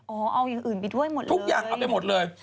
โอ้เอายุ่นไปด้วยหมดเลย